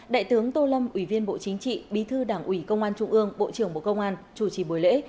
đại tướng tô lâm ủy viên bộ chính trị bí thư đảng ủy công an trung ương bộ trưởng bộ công an chủ trì buổi lễ